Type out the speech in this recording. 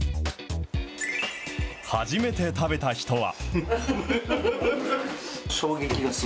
初めて食べた人は。